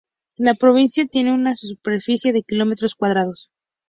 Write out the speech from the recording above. La provincia tiene una superficie de kilómetros cuadrados.